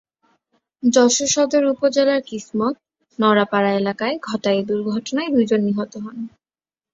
যশোর সদর উপজেলার কিসমত নওয়াপাড়া এলাকায় ঘটা এ দুর্ঘটনায় দুজন নিহত হন।